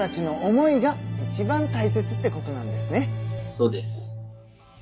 そうです。